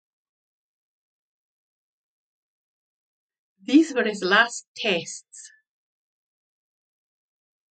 These were his last Tests.